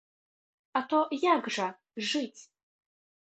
А то як жа жыць?